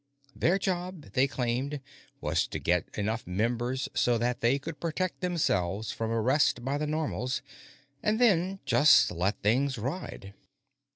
Their job, they claimed, was to get enough members so that they could protect themselves from arrest by the Normals, and then just let things ride.